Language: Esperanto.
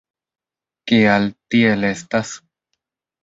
Kial, tiel estas?